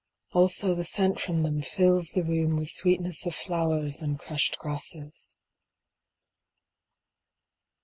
Also the scent from them fills the room With sweetness of flowers and crushed grasses.